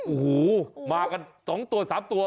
โอ้โหมากัน๒ตัว๓ตัว